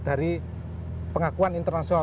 dari pengakuan internasional